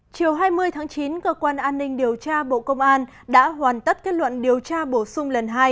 chiều hai mươi tháng chín cơ quan an ninh điều tra bộ công an đã hoàn tất kết luận điều tra bổ sung lần hai